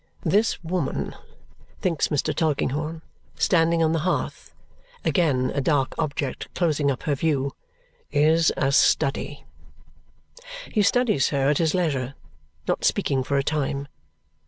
"This woman," thinks Mr. Tulkinghorn, standing on the hearth, again a dark object closing up her view, "is a study." He studies her at his leisure, not speaking for a time.